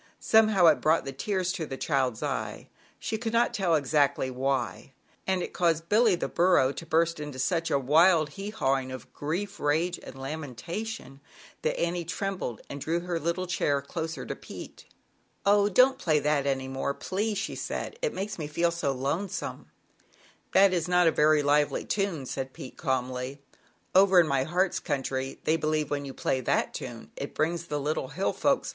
Some how it brought the tears to the child's eye she could not tell exactly why, and it caused Billy, the burro, to burst out into such a wild " he hawing" of grief, rage and lamentation, that Annie trembled and drew her little chair closer to Pete. \ "Oh, don't play that any more, please," she said, "it makes me feel so lonesome." ZAUBERL1NDA, THE WISE WITCH. < That is not a very lively tun said Pete calmly. "Over in my Hartz 111. i 11 country, they believe when you play tha tune, it brings the < Little Hill Folks' S.